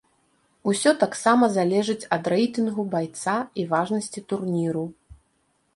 Усё таксама залежыць ад рэйтынгу байца і важнасці турніру.